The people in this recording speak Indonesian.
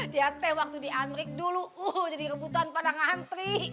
diante waktu di amrik dulu uh jadi rebutan pada ngantri